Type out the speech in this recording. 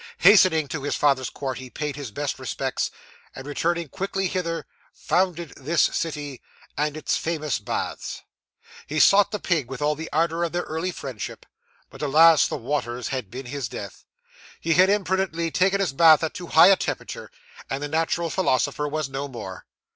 Hastening to his father's court, he paid his best respects, and returning quickly hither, founded this city and its famous baths. 'He sought the pig with all the ardour of their early friendship but, alas! the waters had been his death. He had imprudently taken a bath at too high a temperature, and the natural philosopher was no more!